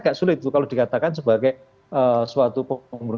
agak sulit kalau dikatakan sebagai suatu pembunuhan